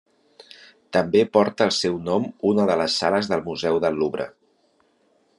També porta el seu nom una de les sales del Museu del Louvre.